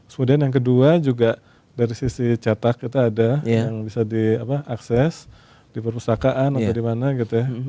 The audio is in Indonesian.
kemudian yang kedua juga dari sisi cetak kita ada yang bisa diakses di perpustakaan atau di mana gitu ya